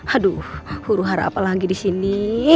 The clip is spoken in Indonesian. aduh huru hara apa lagi di sini